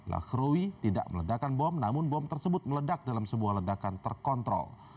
lakrowi tidak meledakan bom namun bom tersebut meledak dalam sebuah ledakan terkontrol